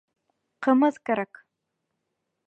Ҡымыҙ кәрәк!